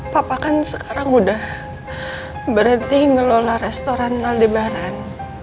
papa kan sekarang udah berhenti ngelola restoran naldebaran